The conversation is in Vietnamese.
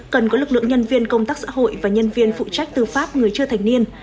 cần có lực lượng nhân viên công tác xã hội và nhân viên phụ trách tư pháp người chưa thành niên